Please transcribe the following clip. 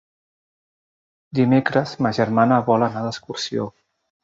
Dimecres ma germana vol anar d'excursió.